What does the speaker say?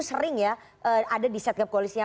sering ya ada di set gap koalisnya